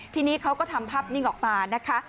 ทีนี้เขาก็ทำภาพนิ่งออกมานะคะ